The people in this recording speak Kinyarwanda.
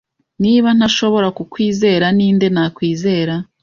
Niba ntashobora kukwizera, ninde nakwizera?